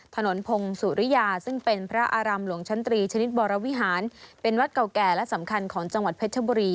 พงศุริยาซึ่งเป็นพระอารามหลวงชั้นตรีชนิดบรวิหารเป็นวัดเก่าแก่และสำคัญของจังหวัดเพชรบุรี